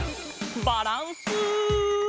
バランス。